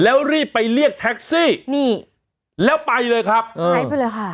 แล้วรีบไปเรียกนี่แล้วไปเลยครับไปไปเลยค่ะ